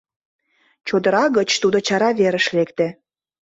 Чодыра гыч тудо чара верыш лекте.